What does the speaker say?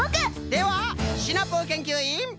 ではシナプーけんきゅういん！